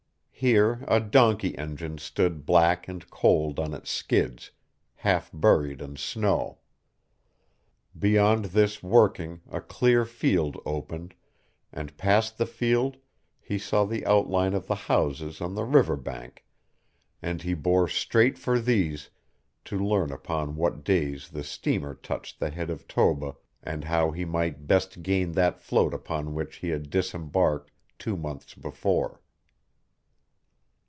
Here a donkey engine stood black and cold on its skids, half buried in snow. Beyond this working a clear field opened, and past the field he saw the outline of the houses on the river bank and he bore straight for these to learn upon what days the steamer touched the head of Toba and how he might best gain that float upon which he had disembarked two months before.